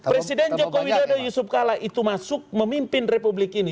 presiden joko widodo yusuf kala itu masuk memimpin republik ini